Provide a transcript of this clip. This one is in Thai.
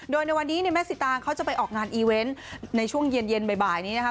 โดยในวันนี้เนี่ยแม่สิตางเขาจะไปออกงานอีเวนต์ในช่วงเย็นบ่ายนี้นะคะ